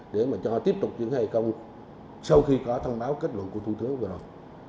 để mà cho tiếp tục triển khai công sau khi có thông báo kết luận của thủ tướng vừa rồi